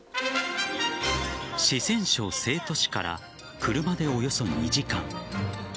四川省成都市から車でおよそ２時間。